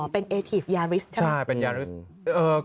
เป็นอาทิตย์ยาริสต์ใช่ไหมครับอืมใช่เป็นยาริสต์